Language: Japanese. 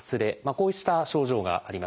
こうした症状があります。